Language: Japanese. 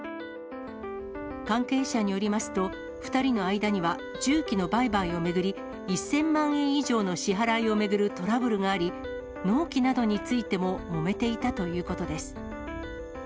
関係者によりますと、２人の間には重機の売買を巡り、１０００万円以上の支払いを巡るトラブルがあり、納期などについてももめていたということです。